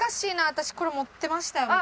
私これ持ってました昔。